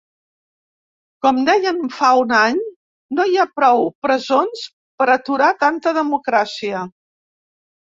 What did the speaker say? Com dèiem fa un any: no hi ha prou presons per aturar tanta democràcia.